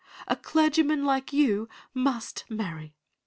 A clergyman like you must marry.